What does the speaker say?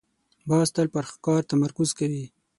باز تل پر ښکار تمرکز کوي